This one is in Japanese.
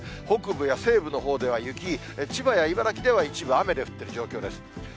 北部や西部のほうでは雪、千葉や茨城では一部雨で降っている状況です。